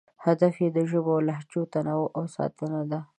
هدف یې د ژبو او لهجو تنوع او ساتنه ده.